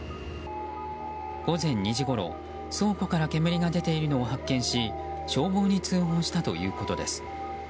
午前２時ごろ倉庫から煙が出ているのを発見し消防に通報したということです。